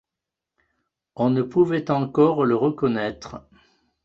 On ne pouvait encore le reconnaître.